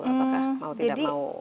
apakah mau tidak mau